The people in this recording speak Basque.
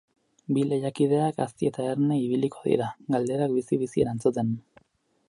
Bi lehiakideak azti eta erne ibiliko dira, galderak bizi-bizi erantzuten.